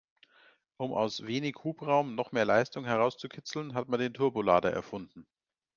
Um aus wenig Hubraum noch mehr Leistung herauszukitzeln, hat man Turbolader erfunden.